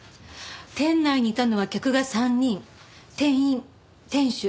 店内にいたのは客が３人店員店主計５人。